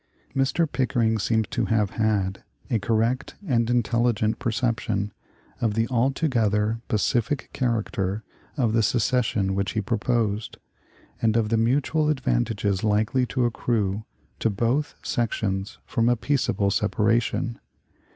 Mr. Pickering seems to have had a correct and intelligent perception of the altogether pacific character of the secession which he proposed, and of the mutual advantages likely to accrue to both sections from a peaceable separation.